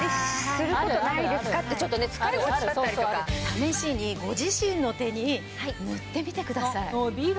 試しにご自身の手に塗ってみてください。